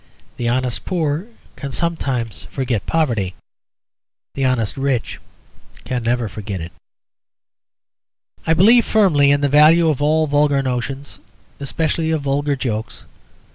The honest poor can sometimes forget poverty. The honest rich can never forget it. I believe firmly in the value of all vulgar notions, especially of vulgar jokes.